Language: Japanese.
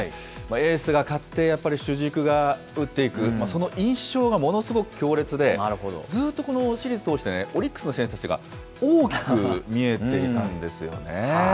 エースが勝って、やっぱり主軸が打っていく、その印象がものすごく強烈で、ずっとこのシリーズ通してね、オリックスの選手たちが大きく見えていたんですよね。